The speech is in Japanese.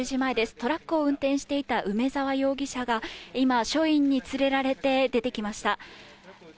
トラックを運転していた梅沢容疑者が、今、署員に連れられて出てきました。